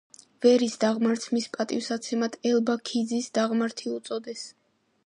ვერის დაღმართს მის პატივსაცემად ელბაქიძის დაღმართი უწოდეს.